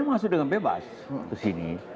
masuk dengan bebas ke sini